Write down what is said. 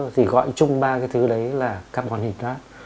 thì gọi chung ba cái thứ đấy là carbon hydrate